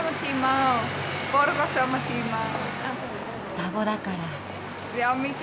双子だから。